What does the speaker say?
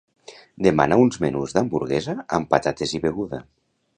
Demana uns menús d'hamburguesa amb patates i beguda.